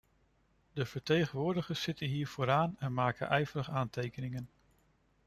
De vertegenwoordigers zitten hier vooraan en maken ijverig aantekeningen.